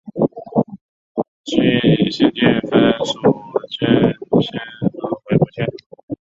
县境分属鄞县和回浦县。